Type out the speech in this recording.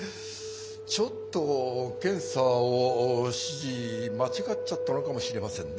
ちょっと検査を指示間違っちゃったのかもしれませんね。